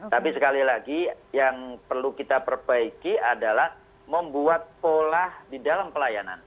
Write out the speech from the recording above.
tapi sekali lagi yang perlu kita perbaiki adalah membuat pola di dalam pelayanan